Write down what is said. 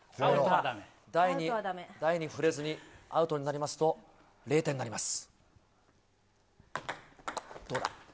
台に触れずにアウトになりますと０点になります。